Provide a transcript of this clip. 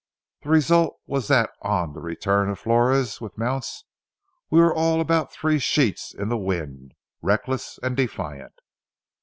The result was that on the return of Flores with mounts we were all about three sheets in the wind, reckless and defiant.